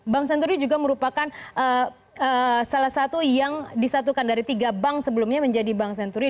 bank senturi juga merupakan salah satu yang disatukan dari tiga bank sebelumnya menjadi bank senturi